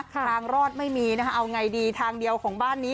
ทางรอดไม่มีนะคะเอาไงดีทางเดียวของบ้านนี้